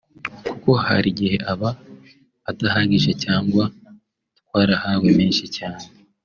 kuko hari igihe aba adahagije cyangwa twarahawe menshi cyane